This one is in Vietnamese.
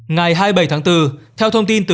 ngày hai mươi bảy tháng bốn theo thông tin tự nhiên